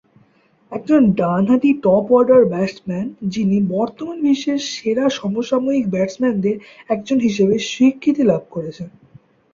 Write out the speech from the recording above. একজন ডানহাতি top order batsman, যিনি বর্তমান বিশ্বের সেরা সমসাময়িক ব্যাটসম্যানদের একজন হিসেবে স্বীকৃতি লাভ করেছেন।